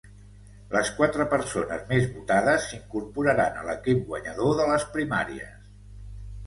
Les quatre persones més votades s’incorporaran a l’equip guanyador de les primàries.